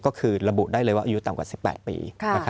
ก็คือระบุได้เลยว่าอายุต่ำกว่า๑๘ปี